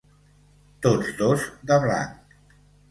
Tots dos de blanc.